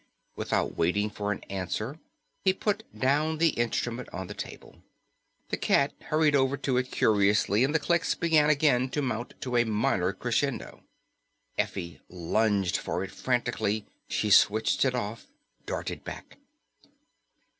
Without waiting for an answer, he put down the instrument on the table. The cat hurried over to it curiously and the clicks began again to mount in a minor crescendo. Effie lunged for it frantically, switched it off, darted back.